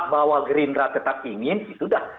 bahwa gerindra tetap ingin itu dah